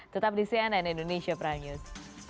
tetap di cnn indonesia prime news